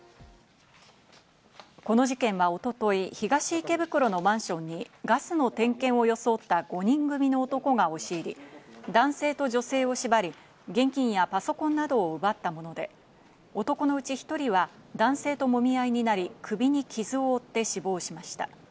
この事件は一昨日、東池袋のマンションにガスの点検を装った５人組の男が押し入り、男性と女性を縛り、現金やパソコンなどを奪ったもので、男のうち１人は男性ともみ合いになり、首に傷を負って死亡しました。